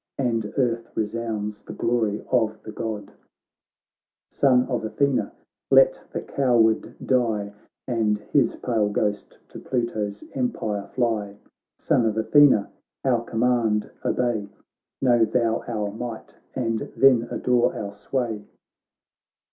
And earth resounds the glory of the God: ' Son of Athena, let the coward die, And his pale ghost to Pluto's empire fly ; Son of Athena, our command obey. Know thou our might, and then adore our sway.'